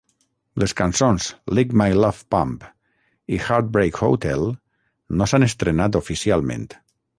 Les cançons "Lick My Love Pump" i "Heartbreak Hotel" no s'han estrenat oficialment.